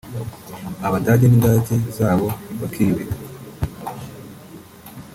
Abadage n’indake zabo bikiyubika